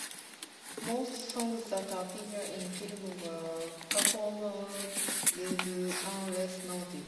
Most songs that appear in the film were performed live unless noted.